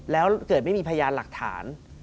แล้วเกิดไม่มีพยานหลักฐาน